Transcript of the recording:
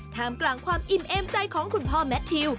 ท่ามกลางความอิ่มเอมใจของคุณพ่อแมททิว